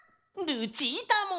ルチータも！